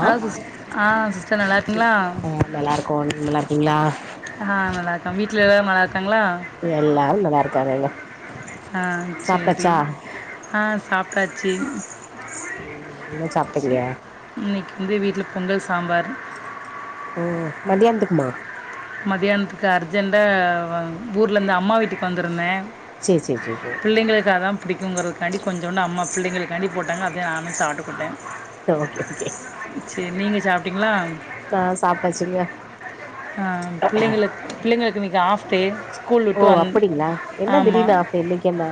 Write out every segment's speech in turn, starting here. hello sister ஆ sister நல்லாருக்கீங்களா நல்லாருக்கோம் நீங்க நல்லாருக்கீங்ளா ஆ நல்லாருக்கோம் வீட்ல எல்லாரும் நல்லாருக்காங்களா எல்லாரும் நல்லாருக்காங்கங்க ஆ சேரி சாப்டாச்சா ஆ சாப்ட்டாச்சு என்ன சாப்ட்டீங்க இன்னக்கி வந்து வீட்லயே பொங்கல் சாம்பார் ஓ மதியானத்துக்குமா மதியானத்துக்கு அர்ஜென்டா ஊர்ல இருந்து அம்மா வீட்டுக்கு வந்திருந்தேன் சேர் சேரி சேரி சேரி புள்ளைங்களுக்கு அதான் புடிங்கிறதுக்காண்டி கொஞ்சோண்டு அம்மா புள்ளைங்களுக்காண்டி போட்டாங்க அதையே நானும் சாப்பிட்டுக்கிட்டேன் ஓகே ஓகே சேரி நீங்க சாப்ட்டீங்களா ஆ சாப்ட்டாச்சுங்க ஆ புள்ளைங்களுக்கு புள்ளைங்களுக்கு இன்னக்கி ஆஃப் டே ஸ்கூல் ஓ விட்டு வந் அப்டிங்களா என்ன திடீர்னு ஆஃப்டே இன்னைக்கென்ன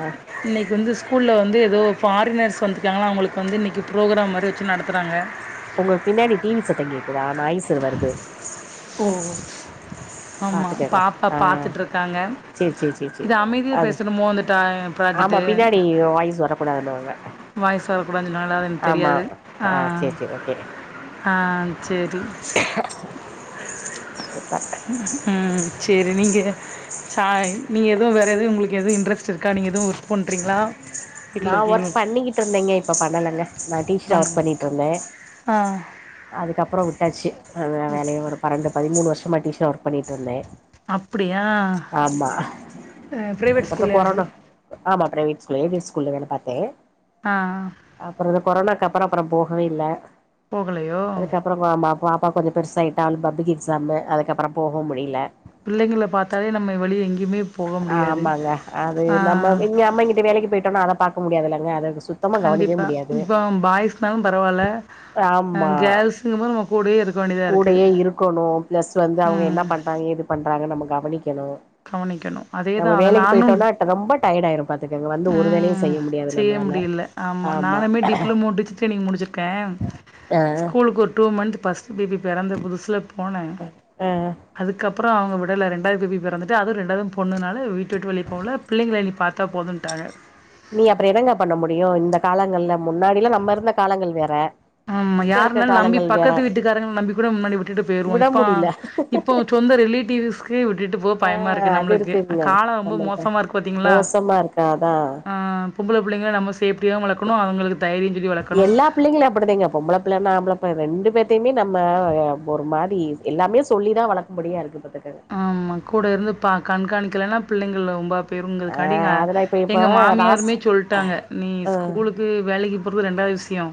இன்னக்கி வந்து ஸ்கூல் வந்து ஏதோ ஃபாரினர்ஸ் வந்துருக்காங்களம் அவுங்களுக்கு வந்து இன்னக்கி ப்ரோக்ராம் மாதிரி வச்சு நடத்துறாங்க உங்களுக்கு பின்னாடி டிவி சத்தம் கேக்குதா நாய்ஸ் வருது ஓ ஆமா பாத்துக்கங்க பாப்பா ஆ பாத்துட்டுருக்காங்க சேரி சேரி சேரி சேரி இது அமைதியா அது பேசணுமோ இந்த ட ஆமா ப்ராஜெட்டு பின்னாடி வாய்ஸ் வரக்கூடாதுன்னுவாங்க வாய்ஸ் வரக்கூடாதுன்னு சொன்னாங்களா எனக்கு ஆமா தெரியாது ஆ ஆஹ் சேரி சேரி ஓகே சேரி சூப்பர் உம் சேரி நீங்க ச நீங்க எதுவும் வேற எதுவும் உங்களுக்கு எதுவும் இன்ட்ரெஸ்ட் இருக்கா நீங்க எதுவும் ஒர்க் பண்ணறீங்களா நான் ஒர்க் பண்ணிக்கிட்டு இருந்தேங்க இப்ப பண்ணலைங்க நான் டீச்சரா ஒர்க் பண்ணுங்க பண்ணிட்டு இருந்தேன் ஆ அதுக்கப்பறம் விட்டாச்சு விட் வேலைய ஒரு பன்னெண்டு பதிமூணு வருஷமா டீச்சரா ஒர்க் பண்ணிட்டு இருந்தேன் அப்டியா பிரைவேட் அதுக்கப்புறோ ஸ்கூல்லய அது கொரோனா ஆமா பிரைவேட் ஸ்கூல் ஏபி ஸ்கூல்ல வேலை பாத்தேன் ஆஹ் அப்பறம் அது கொரோனக்கு அப்பறம் அப்பறம் போகவே இல்ல போகலையோ ஆமா பாப்பா கொஞ்சம் பெருசாகிட்டானு பப்ளிக்கு எக்ஸாமு அதுக்கப்பறம் போகவும் முடியல பிள்ளைங்கள பாத்தாலே நம்ம வெளிய எங்கேயுமே போக முடியாது ஆமாங்க அது ஆ நம்ம இங்க அம்மா கிட்ட வேலைக்கு போயி விட்டோனா அத பாக்க முடியாது இல்லங்க அத சுத் சுத்தமா கவனிக்கவே கண்டிப்பா முடியாது இப்போ பாய்ஸ்னாலும் ஆமா சுத்தமா நம்ம கூடவே இருக்க வேண்டியது கூடயே இருக்கணு பிளஸ் வந்து அவங்க என்ன ம் பண்றாங்க ஏது பண்றாங்கன்னு நம்ம கவனிக்கணு கவனிக்கணு அது நம்ம வேலைக்கு போய் டோனா ரொம்ப டயர்ட் ஆயிரு பாத்துக்கங்க வந்து ஒரு வேலையு ம் செய்ய முடியாது செய்ய நம்மளால முடியல ஆமா நானுமே டிப்ளமோ டிச்சர் டிரைவிங் முடிச்சிருக்கே ஆ ஸ்கூல்லுக்கு ஒரு டூ மந்த் பஸ் பிபி பொறந்த புதுசுல போனே ஆ அதுக்கப்பறோ அவங்க விடல இரண்டாவது பேபி பெறந்து அதுவு ரெண்டாவது பொண்ணுனால வீட்டு விட்டு வெளிய போல பிள்ளைங்கள நீ பாத்தா போதும்ட்டாங்க நீ அப்பறம் என்னங்க பண்ண முடியு இந்த காலங்கள்ல முன்னாடி எல்லா நம்ம இருந்த காலங்கள் வேற ஆமா இப்ப இருக்க யாருனாலு நம்பி காலங்கள் வேற பக்கத்து வீட்டுக்காரங்க நம்பி கூட முன்னாடி விட்டுட்டு போயிருவோ விட இப்பா முடியல இப்போ சொந்த ரிலேட்டிவ்ஸ் லே விட்டுட்டு போக ஆ பயமா இருக்கு அது நம்ளுக்கு இருக்குங்க காலோ ரொம்ப நம்மளுக்கு மோசமா இருக்கு பாத்தீங்களா மோசமா இருக்கா அதா ஆ பொம்ப்ள பிள்ளைங்கள நம்ம சேப்டியாவு வளக்கணு அவங்களுக்கு தயிரி எல்லா பிள்ளைங்களு அப்டிதங்க பொம்பளப் இப்பலன்னஆம்பள பைவ இப்போ ரெண்டு பேத்தையுமே நம்ம ஒரு மாறி எல்லாமே சொல்லி தா வளக்க முடியா இருக்குபத்துக்க ஆமா கூட இருந்து பா கண்காணிக்கலைனா பிள்ளைங்கள ரொம்ப ஆ இவங்களுக்கு அடிங்க அதுல இப்ப இப்ப எங்க ராஸ் மாமியாருமே சொல்ட்டாங்க நீ ஆ ஸ்கூலுக்கு வேலைக்கு போறது இரண்டாவது விஷயோ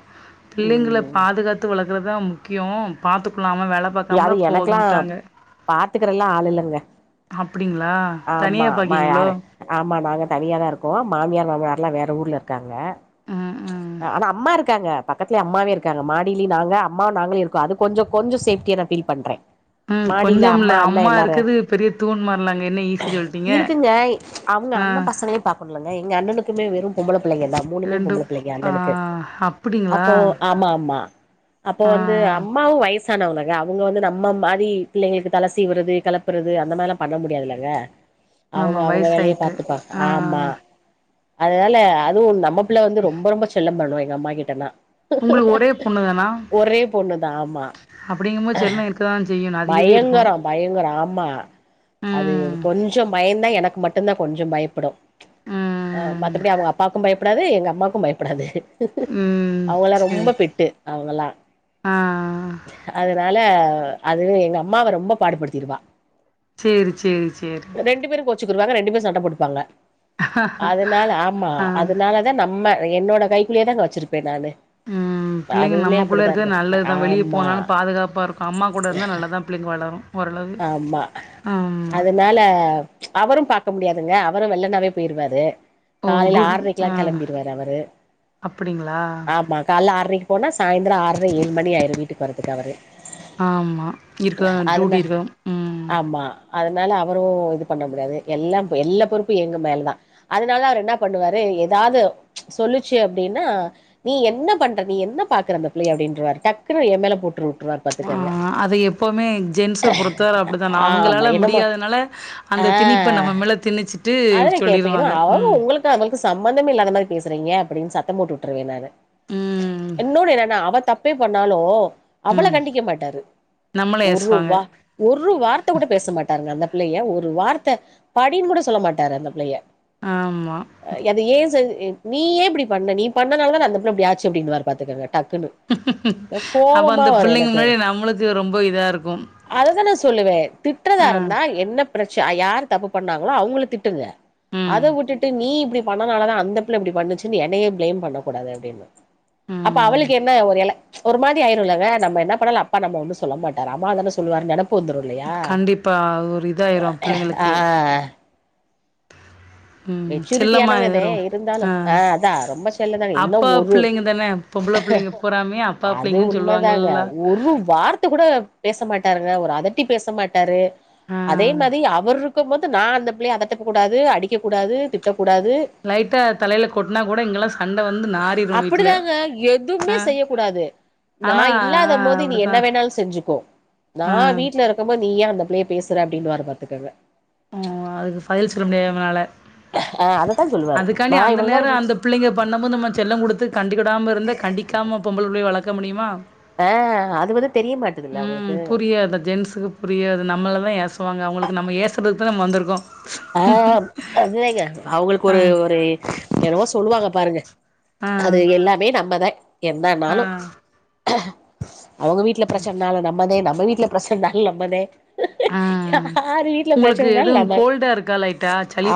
பிள்ளைங்கள ம் பாதுகாத்து வளக்குறது அதா முக்கியோ பாத்துக்கள்ளாமல் வேல பாக்காமலே போதுன்ட்டாங்க பாத்துக்கிறல்லா ஆளு இல்லல்ல அப்டிங்களா தனியா பாக்கீங்களோ யாரு ஆமா நாங்க தனியா தா இருக்கோ மாமியார் மாமியார்ல்லா வேற ஊர்ல இருக்காங்க ஆ ஆனா அம்மா இருக்காங்க பக்கத்துலயே அம்மாவே இருக்காங்க மாடியிலு நாங்க அம்மாவு நாங்களு இருக்கோ அது கொஞ்சோ கொஞ்சோ சேஃப் ட்டியாதா ஃபீல் பண்றே ப் மாடில கொஞ்சம்ல்ல அண்ண அம்மா எல்லாரு இருக்குது பெரிய தூண் மார்லாங்க என்ன ஈசினு சொல்லிட்டீங்க இருக்குங்க அவங்க அண்ண பசங்களையு பாக்குனும்லங்க எங்க அண்ணனுக்குமே வெறு பொம்பள பிள்ளைங்க தா மூணுமே ரெண்டு பொம்பள பிள்ளைங்கள ஆ அண்ணனுக்கு அப்டிங்களா அப்போ ஆமா ஆமா அப்போ ஆ வந்து அம்மாவு வயசானவங்கள் ங்க அவுங்க வந்து நம்ம மாறி பிள்ளைங்களுக்கு தல சீவுறது கிளப்புறது அந்த மாதிரிலா பண்ண முடியாதுல்லைங்க அவங்க ஆமா அவங்க வேலைய வயசாயிட்டு பாத்துப்பாங்க ஆ ஆமா அதனால அதுவு நம்ம புள்ள வந்து ரொம்ப ரொம்ப செல்ல பண்ணுவா எங்க அம்மா கிட்டனா உங்களுக்கு ஒரே பொண்ணு தானா ஒரே பொண்ணுதா ஆமா அப்டிங்கு போது செல்லோ இருக்கதா செய்யு நது பயங்கரோ பயங்கரோ ஆமா அது ம் கொஞ்சம் பயந்தா எனக்கு மட்டும்தா கொஞ்சோ பயப்படு அ ம் மத்தபடி அவுங்க அப்பாவுக்கு பயப்படாது எங்க அம்மாக்கு பயப்படாது ம் அவுங்கல்லா சேரி ரொம்ப பெட்டு அவுங்கல்லா ஆ அதனால அதுவே எங்க அம்மாவ ரொம்ப பாடுபடுத்திருவா சேரி சேரி சேரி அச்சிக்கிருவாங்க ரெண்டு பேர் சண்டப்போட்டுப்பாங்க அதனால ஆமா ஆ அதனால தா நம்ம என்னோட கைக்குள்ளயே தாங்க வச்சிருப்பே நானு ம் பிள்ளைங்க அதுவுமே நம்மக்குள்ள அப்படிதா இருக்கு இருக்கது நல்லது தா வெளிய ஆமா போனாலு பாதுகாப்பா இருக் அம்மா கூட இருந்தா நல்லா தா பிள்ளைங்க வளரோ ஆமா அதுனால அவரு பாக்க முடியாதுங்க அவரு வெள்ளனாவே போயிருவாரு ஓ காலைல டூட் ஆறைக்குல்லா ஆ கெளம்பிருவாரு அவரு அப்டிங்களா ஆமா கால்ல ஆறைக்கு போனா சாயந்ரோ ஆற ஏழு மணி ஆயிரு வீட்டுக்கு வரத்துக்கு அவரு ஆமா இருக்க டூட்டி அதுன இருக்கம் ஆமா அதனால அவரோ இது பண்ண படாது எல்லா எல்லா பொறுப்பு எங்க மேலதா அதனால அவரு என்ன பண்ணுவாரு ஏதாவது சொல்லுச்சு அப்டின்னா நீ என்ன பண்ற நீ என்ன பாக்குற அந்த பிள்ளைய அப்டின்றுவாரு டக்குன்னு எ மேல போட்ரு உட்ருவாரு ஆ பாத்துக்கங்க அது எப்போமே ஜென்ஸ பொறுத் தர் அப்டித்தா நா ஆமா அவங்களால என்னமோ முடியாதனால ஆ அந்த திணிப்ப நம்ம மேல திணிச்சு து இப்டி சொல்லிருவாங்க ம் த அவளுக்கு சம்மந்தமே இல்லாத மாதி பேசுறீங்க அப்டின் சத்தம் போட்டு உட்ருவே நானு ம் இன்னொன்னு என்னன்னா அவ தப்பே பண்ணாலு அவள ம் கண்டிக்க மாட்டாரு நம்மள ஒரு ஏசுவாங்க வா ஒரு வார்த்த கூட பேச மாட்டாருங்க அந்த பிள்ளைய ஒரு வார்த்த படின் கூட சொல்ல மாட் டாரு அந்த பிள்ளைய ஆமா அது ஏ செஞ்சு இ நீ ஏ இப்டி பண்ண நீ பண்ணனால தான அந்த பிள்ள அப்டி ஆச்சு அப்டின்னுவாரு பாத்துக்கங்க டக்குனு அப்ப அந்த பிள்ளைங்க முன்னாடி நம்மளுக்கு ரொம்ப இதாருக்கும் அத தா நா சொல்லுவே திட்ரதா இருந்தா என்னப் பிரச்ச யார் தப்பு பண்ணாங்ளோ அவுங்ள திட்டுங்க அத ம் உட்டுட்டு நீ இப்டி பண்ணனால தா அந்த புள்ள இப்டி பண்ணுச்சுன் என்னையே ப்ளேம் பண்ணக்கூடாது அப்டின்ன அப்ப ம் அவளுக்கு என்ன ஒரு எல ஒரு மாதி ஆயிரோ இல்லங்க நம்ம என்ன பண்ணாலோ அப்பா நம்ம ஒன்னு சொல்ல மாட்டாரு அம்மாவ தான சொல்லுவாரு நெனப்பு வந்துரு இல்லையா கண்டிப்பா ஒரு இதாயிரு அ பிள்ளைங்களுக்கு ம் மெச்சூரிட்டியானவங்கதே செல்லமாயிரு இருந்தாலு ஆ அ அதா ரொம்ப செல்லந்தானே இன்னு அப்பா ஒரு பிள்ளைங்க தான பொம்பள பிள்ளைங்க பூராமே அப்பா அது பிள்ளைங்கன்னு உண்ம தாங்க சொல்லுவாங்கல்ல ஒரு வார்த்த கூட பேச மாட்டாருங்க ஒரு அதட்டி பேச மாட்டாரு ஆ அதே மாதி அவரு ருக்கும் போது நா அந்த பிள்ளைய அதட்டக்கூடாது அடிக்கக்கூடாது திட்டக்கூடாது லைட்டா தலைல கொட்னா கூட இங்கல்லா சண்ட வந்து நாறிரு வீட்ல அப்படிதாங்க அ எதுவுமே செய்யக்கூடாது நா ஆ இல்லாதம் போது நீ அப்டித்தா என்ன வேணாலு செஞ்சுக்கோ நா ஆ வீட்ல இருக் கும் போது நீ ஏ அந்த பிள்ளைய பேசுற அப்டினுவாரு பாத்துக்கங்க ம் அதுக்கு பைல்ச்சுக்ற முடியாது நம்மளால ஆ அதத்தா சொல்லுவாரு நா இவ்ள நேரோ வீ பிள்ளைங்க பண்ணம் போது நம்ம செல்லோ குடுத்து கண்டுகுடாம இருந்து கண்டிக்காம பொம்பள புள்ளைய வளக்க முடியுமா அ அது வந்து தெரிய மாட்டதுல்ல அவுங்களுக்கு தெரியாது ஜென்ட்ஸுக்கு புரியாது நம்மள தா ஏசுவாங்க அவுங்களுக்கு நம்ம ஏசுறத்துக்கு தா நம்ம வந்திருக்கோ அ அதுதங்க அவுங்களுக்கு ஆ ஒரு ஒரு என்னவோ சொல்லுவாங்க பாருங்க ஆ அது எல்லாமே நம்மதே ஆ என்னனாலு அவுங்க வீட்ல பிரச்சனாலு நம்மதே நம்ம வீட்ல பிரச்சனாலு நம்மதே ஆ யார் வீட்ல பிரச்சனனாலு நம்ம அங்க தா இருக்காளா இப்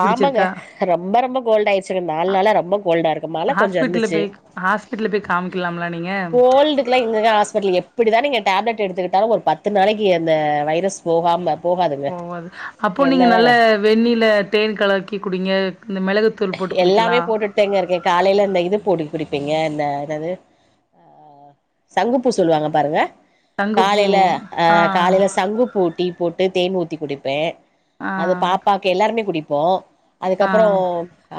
ஆமாங்க ரொம்ப ரொம்ப கோல்ட் ஆயிடுச்சுருங்க நால் அ நாளா ரொம்ப கோல்டா இருக்கு மழ கொஞ்சோ இருந்துச்சு ஹாஸ்பிட்ல்ல போய் காமிக்கலாம்லா நீங்க கோல்டுக்லா எங்கங்க ஹாஸ்பிட்டல் எப்படி தா நீங்க டேப்லெட் எடுத்துக்கிட்டாலு ஒரு பத்து நாளைக்கு அந்த வைரஸ் போகாம போகாதுங்க ஓவது அப்போ நீங்க என்னதா நல்ல வெண்ணில தேன் கலக்கி குடிங்க இந்த மிளகு எல்லாமே போட்டுட் தாங்க இருக்கே காலைல அந்த இது பொடி குடிப்பேங்க இந்த என்னது அ ஆ சங்குப்பூ சொல்லுவாங்க பாருங்க சங்குப்பூ காலைல அ ஆ காலைல சங்குப்பூ டீ போட்டு தேன் ஊத்தி குடிப்பே ஆ அது பாப்பாக்கு எல்லாருமே குடிப்போ ஆ அதுக்கப்பறோ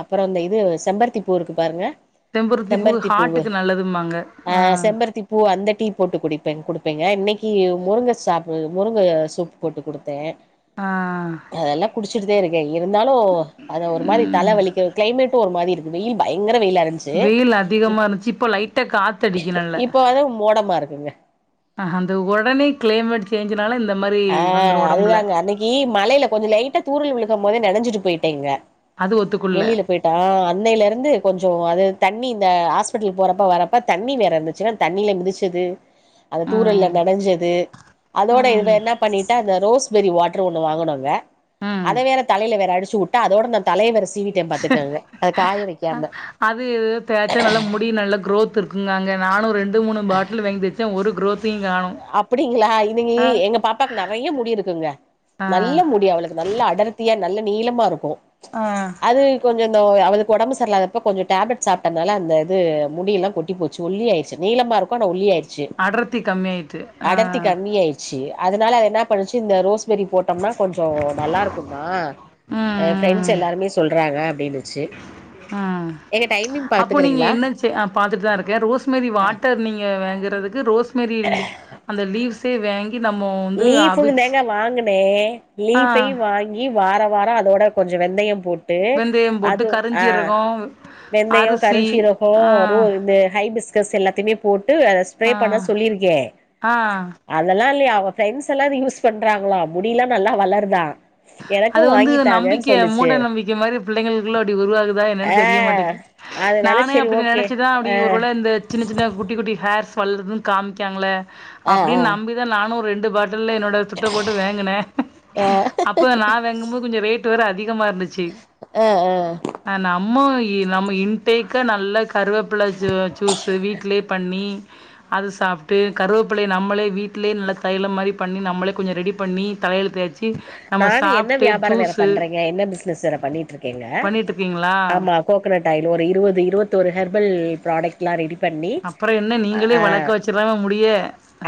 அப்புறோ இந்த இது செம்பருத்தி பூ இருக்கு பாருங்க தெம்புருத்தி பூ செம்பருத்தி பூவு ஹாட்டுக்கு நல்லதுமாங்க ஆ பூ அந்த டீ போட்டு குடிப்பே குடுப்பேங்க இன்னைக்கி முருங்கை சாப்பு முருங்கை சூப் போட்டு குடுத்தே ஆ அதெல்லா குடிச்சிட்டுதே இருக்கே இருந்தாலு அத ஒரு மாரி தலை ம் வலிக்க கிளைமேட் டு ஒரு மாரி இருக்கு வெயில் பயங்கர வெயிலா இருந்ச்சு வெயில் அதிகமா இருந்துச்சு இப்ப லைட்ட காத்தடிக்க நல்ல இப்ப வந்து மோடமா இருக்குங்க அஹ் அந்த உடனே கிளைமேட் சேஞ்சுனால இந்த மாரி வந்துரு ஒடம்புல நீ மழையில கொஞ்ச லைட்டா தூரல் விழுகம் போதே நெனஞ்சிட்டு போயிட்டேங்க அது ஒத்துக்குள்ள வெளியில போய் ட அன்னையில இருந்து கொஞ்சோ அது தண்ணி இந்த ஹாஸ்பிட்டல் போறப்ப வர்றப்ப தண்ணி வேற இருந்துச்சுன்னா தண்ணில மிதிச்சது அந்த தூரல்ல ம் நனைஞ்சது அதோட இது ம் என்ன பண்ணிட்டா அந்த ரோஸ்பேரி வாட்ரு ஒன்னு வாங்கனோங்க ம் அத வேற தலையில வேற அடிச்சு வுட்டா அதோட நா தலையை வேற சீவிட்டே பாத்துக்கங்க அத காய அ வ்க்காம அது இது தேய்ச்சா நல்லா முடி நல்ல க்ரோத் இருக்குங்க நானு ரெண் டு மூணு பாட்டில் வாங்கிவச்ச ஒரு குரோத்தையுங் காணோ அப்டிங்களா இன்னிக்கி எங்க பாப்பாக்கு நெறைய முடி இருக்குங்க ஆ நல்ல முடி அவளுக் நல்ல அடர்த்தியா நல்ல நீளமா இருக்கு ஆ அது கொஞ்ச இந்த அவதுக்கு ஓடம்பு சரியில்லாதப்ப கொஞ்ச டேப்லெட் சாப்டதுனால அந்த இது முடியெல்லா கொட்டி போச் சு ஒல்லி ஆயிருச்சு நீளமா இருக்கு ஆன ஒல்லி ஆயிருச்சு அடர்த்தி கம்மியாயிட்டு ஆ அடர்த்தி கம்மி ஆயிச்சு அதனால அது என்ன பண்ணுச்சு இந்த ரோஸ்பெரி போட் டம்னா கொஞ்சோ நல்லா இருக்கும்மா ஆ ம் ஃப்ரெண்ட்ஸ் ம் எல்லாருமே சொல்றாங்க அப்டின்னுச்சி ஆ அப்போ நீங்க என்ன செ ஆ பாத்துட்டு தா இருக்கே ரோஸ்மேரி வாட்டர் நீங்க வாங்குறது க்கு ரோஸ்மெரி அந்த லீவ்ஸே வாங்கி நம்மோ லீப்பையு தாங்க வாங்கினே ஆ லீஃபையும் வாங் கி வாரோ வாரோ அதோட கொஞ்சோ வெந்தயம் போட்டு வெந்தயம் போட்டு அது ஆ கருஞ்சீரகோ வெந்தயம் அரிசி கருஞ் சீரகோ ஆ ரோ இந்த ஹை பிஸ்கஸ் எல்லாத்தையுமே போட்டு ட்ரை ஆ பண்ண சொல்லிருக்கே ஆ அதெல்லா இல்லையா அவ பிரெண்ட்ஸ் எல்லா அது யூஸ் பண்றாங்களா முடியெல்லா நல்லா வளருதா எனக்கு அது வந்து வாங்கித்தாங்கன்னு நம்பிக்க சொல்லுச்சு மூட நம்பிக்கை மாரி புள்ளைங்களுக்குள்ள அப்டி உருவாகுதா என்னன்னு ஆ தெரிய மாட்டேக்கு அதனால நானே செரி அப்டி ஓகே நெனைச்சுதா அப்டி ஆ ஒருவேளை இந்த சின்ன சின்ன குட்டி குட்டி ஹேர்ஸ் வளருதுன்னு காமிக்காங்கள ஆ ஆ அப்டின்னு நம்பிதா நானு ஒரு ரெண்டு பாட்டில் என்னோட துட்ட போட்டு வாங்குனே ஆ இப்ப நா வாங்கும்போ து கொஞ்ச ரேட் வேற அதிகமா இருந்துச்சு ஆ ஆ அ நம்மோ நம்ம இன்டேக்கா நல்லா கருவேப்பில சு சூஸு வீட்லயே பண்ணி அத சாப்பிட்டு கருவேப்பிலையை நம்மளே வீட்டிலேயே நல்ல தையலம் மாரி பண்ணி நம்மளே கொஞ்ச ரெடி பண்ணி தலையில தேய்ச்சி இ நானு எண்ண வியாபாரம் வேற பண்றேங்க எண்ண பிசனஸ் வேற பண்ணிட்டு இருக்கேங்க பண்ணிட்ருக்கீங்களா ஆமா கோகனட் ஆயில் ஒரு இருவது இருவத்தி ஒரு ஹர்பல் ப்ராடக்ட் எல்லா ரெடி பண்ணி அப்புறோ என்ன நீங்களே அ வளக்க வச்சிடலாம முடிய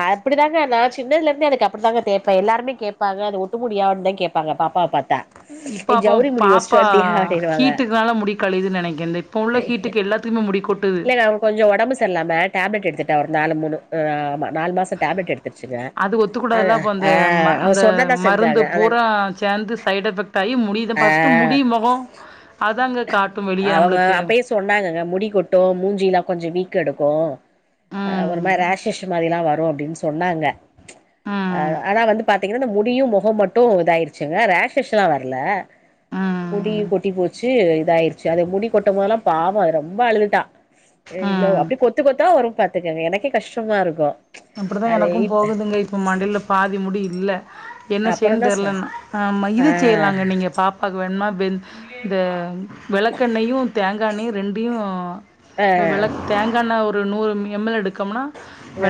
அப்டிா தாங்க நா சின்னதுல இருந்தே எனக்கு அப்டிதாங்க தேப்ப எல்லாருமே கேப்பாங்க அது இடுமுடியானு தா கேப்பாங்க பாப்பாவ பாத்தா இப்ப ஏ அப்போ ஜவுரி முடி வச்சுட்டு பாப்பா வன்ட்டியா அப்டின்னுவாங்க ஹீட்டுக்னால முடி கழையுதுன்னு நெனைக்கே இந்த இப்ப உள்ள ஹீட்டுக்கு எல்லா த்துமே முடி கொட்டுது இல்லங்க அவ கொஞ்சோ ஒடம்பு சரில்லாம டேப்லெட் எடுத்துட்ட ஒரு நாலு மூணு ஆ ஆமா நாலு மா ச டேப்லெட் எடுத்துருச்சுங்க அது அது ஒத்துக்கூடாதுல்ல அப்போ அந்த ஆ ம அவ அந்த சொன்னனா மருந்து பூரா சேந்து சைடு எஃபெக்ட் ஆயி முடி தா ஃபஸ்ட்டு ஆ முடி மொகோ அதாங்க காட்டு வெளிய அவங்க நம்மளுக்கு அப்பயே சொன்னாங்கங்க முடி கொட்டு மூஞ்சி எல்லா கொஞ்ச வீக் எடுக்கு ஆ ஒரு மாரி ம் ராஷஷ் மாரில்லா வரு அப்டின்னு சொன்னாங்க ஆ ம் ஆனா வந்து பாத்தீங் கன்னா இந்த முடியு மொக மட்டு இதாயிருச்சுங்க ரேஷஷ்லா வர்ல முடியு ம் கொட்டி போ ச்சு இதாயிருச்சு அத முடி கொட்டம் போதெல்லா பாவோ ரொம்ப அழுதுட்டா ஆ இ்வ்ளோ ம் அப்டி கொத் து கொத்தா வரும் பாத்துக்கங்க எனக்கே கஷ்டமா இருக்கு அப்டிதா அது எனக்கும் இப் போகுதுங்க இப்ப மண்டைல பாதி முடி இல்ல என்ன செய்யன் அப்பறந்தா தெர்ல சொ இன்று ஆ இது செய்யலாங்க நீங்க பாப் பாக்கு வேணுமா வெந் இந்த வெளக்கெண்ணெயு தேங்காண்ணெயு ரெண்டியு ஆ இப்போ வெளக் தேங்காண்ண ஒரு நூறு ம் எம் எல் எடுக்கோம்னா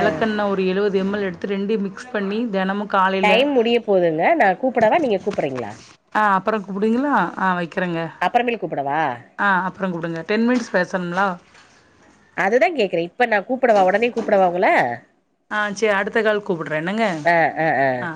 ஆ கெண்ண ஒரு எழுவது எம் எல் எடுத்து ரெண்டியு மிக்ஸ் பண்ணி தெனமு காலைல டைம் முடிய போதுங்க நா கூப்புடவா நீங்க கூப்புறீங்களா ஆ அப்பற கூப்புடுவீங்களா ஆ வக் கிறேங்க அப்பறமேல் கூப்படவா ஆ அப்ற குடுங்க டென் மினிட்ஸ் பேசணும்லா அதுதா கேக்குறே இப்ப நா கூப்புடவா ஒடனே கூப்புடவா உங்கள ஆ செரி அடுத்த கால் கூப்புட்றே என்னங்க ஆ